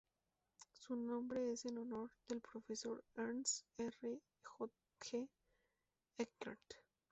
Su nombre es en honor del profesor Ernst R. G. Eckert.